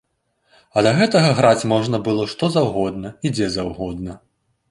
А да гэтага граць можна было што заўгодна і дзе заўгодна.